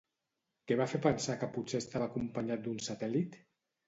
Què va fer pensar que potser estava acompanyat d'un satèl·lit?